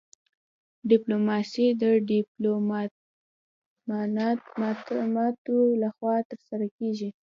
ډیپلوماسي د ډیپلوماتانو لخوا ترسره کیږي